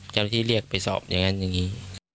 เจ้าหน้าที่เรียกไปสอบอย่างนั้นอย่างนี้